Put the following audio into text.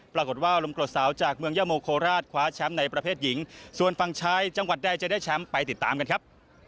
ปรากฏว่าลมกรดสาวจากเมืองยาโมโคราชคว้าแชมป์ในประเภทหญิงส่วนฝั่งชายจังหวัดใดจะได้แชมป์ไปติดตามกันครับ